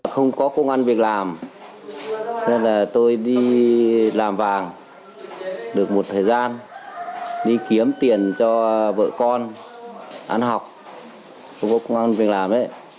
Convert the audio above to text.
không có công an việc làm cho nên là tôi đi làm vàng được một thời gian đi kiếm tiền cho vợ con ăn học không có công an việc làm